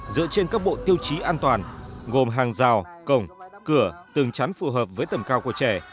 dựa trên các bộ tiêu chí an toàn gồm hàng rào cổng cửa tường chắn phù hợp với tầm cao của trẻ